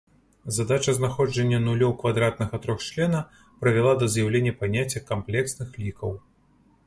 Задача знаходжання нулёў квадратнага трохчлена прывяла да з'яўлення паняцця камплексных лікаў.